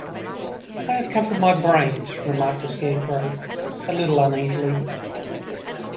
"I have come for my brains," remarked the Scarecrow, a little uneasily.